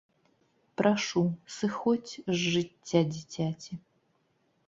Прашу, сыходзь з жыцця дзіцяці!